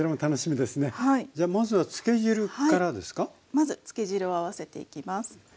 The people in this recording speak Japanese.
まずつけ汁を合わせていきます。